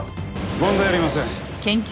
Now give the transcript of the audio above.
問題ありません。